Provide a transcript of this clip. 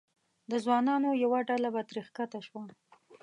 د ځوانانو یوه ډله به ترې ښکته شوه.